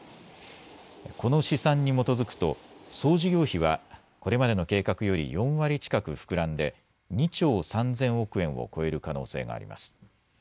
この試算に基づくと、総事業費はこれまでの計画より４割近く膨らんで２兆３０００億円を超える可能性があります。